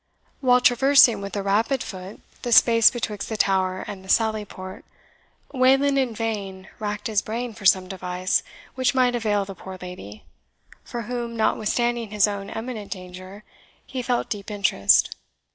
While traversing with a rapid foot the space betwixt the tower and the sallyport, Wayland in vain racked his brain for some device which might avail the poor lady, for whom, notwithstanding his own imminent danger, he felt deep interest.